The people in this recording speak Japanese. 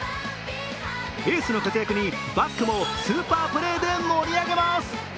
エースの活躍にバックもスーパープレーで盛り上げます。